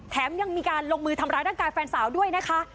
ยังมีการลงมือทำร้ายร่างกายแฟนสาวด้วยนะคะ